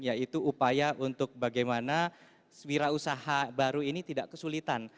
yaitu upaya untuk bagaimana wirausaha baru ini tidak kesulitan